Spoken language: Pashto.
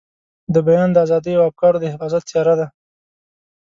د بیان د ازادۍ او افکارو د حفاظت څېره ده.